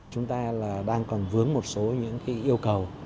chúng ta đang còn vướng một số những yêu cầu